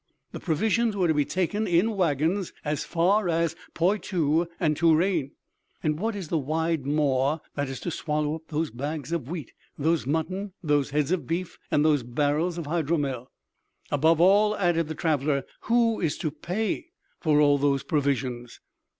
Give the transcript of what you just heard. "The provisions were to be taken in wagons as far as Poitou and Touraine." "And what is the wide maw that is to swallow up those bags of wheat, those muttons, those heads of beef and those barrels of hydromel?" "Above all," added the traveler, "who is to pay for all those provisions?"